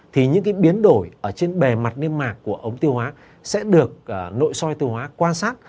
thì những cái biến đổi ở trên bề mặt niêm mạc của ống tiêu hóa sẽ được nội soi tiêu hóa quan sát